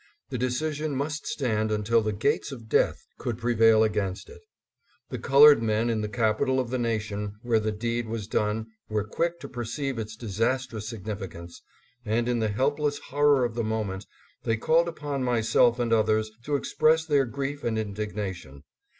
The decision must stand until the gates of death could prevail against it. The colored men in the capital of the nation where the deed was done were quick to perceive its disastrous 654 ITS EFFECT ON THE COLORED PEOPLE. significance, and in the helpless horror of the moment they called upon myself and others to express their grief and indignation.